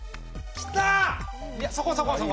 きた。